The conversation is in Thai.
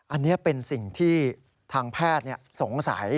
อันนี้เป็นสิ่งที่ทางแพทย์สงสัย